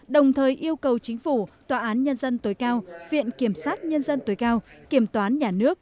đồng thời yêu cầu chính phủ tòa án nhân dân tối cao viện kiểm sát nhân dân tối cao kiểm toán nhà nước